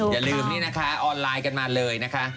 อย่าลืมนี่นะคะออนไลน์กันมาเลยนะคะ